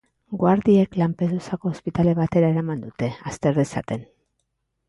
Guardiek Lampedusako ospitale batera eraman dute, azter dezaten.